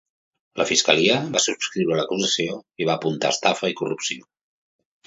La fiscalia va subscriure l’acusació i va apuntar estafa i corrupció.